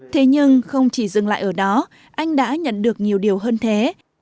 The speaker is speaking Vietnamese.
thế nhưng không chỉ dừng lại ở đó anh đã nhận được nhiều điều hơn thế